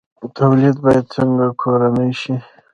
تولید باید څنګه کورنی شي؟